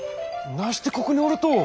なしてここにおると！